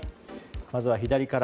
まずは左から。